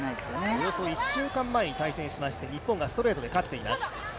およそ１週間前に対戦しまして日本がストレートで勝っています。